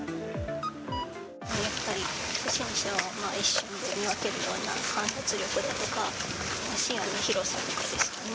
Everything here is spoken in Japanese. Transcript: やっぱり不審者を一瞬で見分けるような観察力だとか、視野の広さとかですかね。